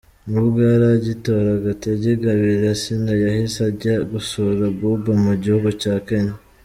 Nubwo yari agitora agatege Ingabire Asinah yahise ajya gusura Abouba mu gihugu cya Kenya.